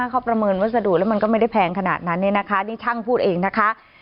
เขาประเมินวัสดุแล้วมันก็ไม่ได้แพงขนาดนั้นเนี่ยนะคะนี่ช่างพูดเองนะคะ